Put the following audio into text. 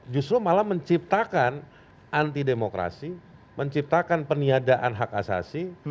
justru malah menciptakan anti demokrasi menciptakan peniadaan hak asasi